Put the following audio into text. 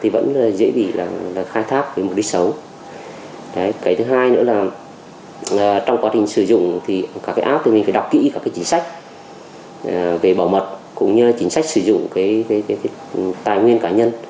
về bảo mật cũng như chính sách sử dụng tài nguyên cá nhân